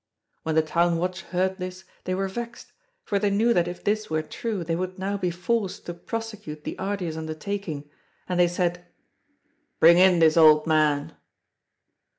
When the Town Watch heard this they were vexed, for they knew that if this were true they would now be forced to prosecute the arduous undertaking, and they said: "Bring in this old man!"